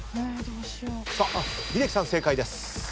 英樹さん正解です。